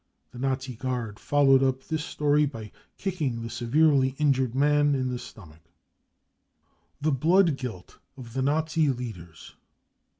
The Nazi guard followed up this story by kicking the severely injured man in the I stomach." $ v The Mood Guilt of the Nazi Leaders.